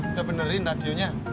sudah menerikan radionya